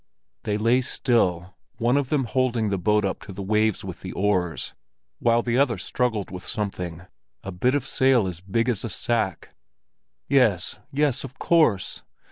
They lay still, one of them holding the boat up to the waves with the oars, while the other struggled with something—a bit of sail as big as a sack. Yes, yes, of course!